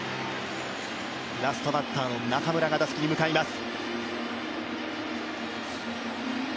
ラストバッターの中村が打席に向かいます。